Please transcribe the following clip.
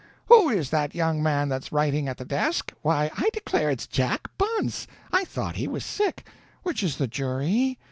"Who is that young man that's writing at the desk? Why, I declare, it's Jack Bunce! I thought he was sick." "Which is the jury?